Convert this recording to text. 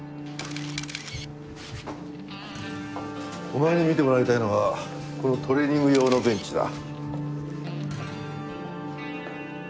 お前に見てもらいたいのはこのトレーニング用のベンチだ。